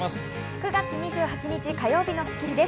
９月２８日、火曜日の『スッキリ』です。